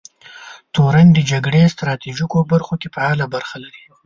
تورن د جګړې ستراتیژیکو برخو کې فعاله برخه لري.